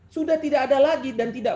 sudah tidak ada lagi dan tidak